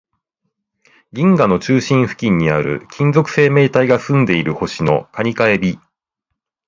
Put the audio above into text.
銀河の中心付近にある、金属生命体が住んでいる星の蟹か海老